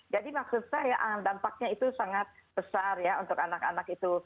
jadi maksud saya dampaknya itu sangat besar ya untuk anak anak itu